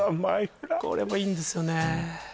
これもいいんですよね